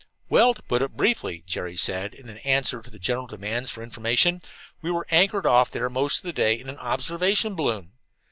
"Well, to put it briefly," Jerry said, in answer to the general demands for information, "we were anchored off there most of the day in an observation balloon.